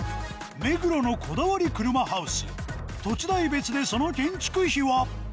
目黒のこだわり車ハウス土地代別でその建築費は？